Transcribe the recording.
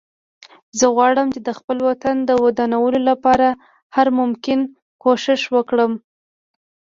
زه غواړم چې د خپل وطن د ودانولو لپاره هر ممکن کوښښ وکړم